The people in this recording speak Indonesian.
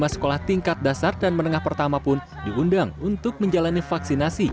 satu ratus dua puluh lima sekolah tingkat dasar dan menengah pertama pun diundang untuk menjalani vaksinasi